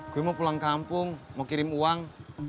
gue mau pulang kampung mau kirim uang